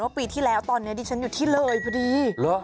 ปีที่แล้วตอนนี้ดิฉันอยู่ที่เลยพอดี